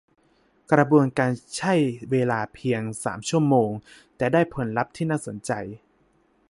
กระบวนการใช่เวลาเพียง สาม ชั่วโมง แต่ได้ผลลัพธ์ที่น่าสนใจ